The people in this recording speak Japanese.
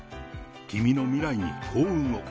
君の未来に幸運を。